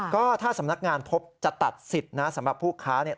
ก็ถ้าสำนักงานพบจะตัดสิทธิ์นะสำหรับผู้ค้าเนี่ย